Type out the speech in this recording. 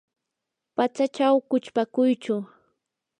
patsachaw quchpakuychu.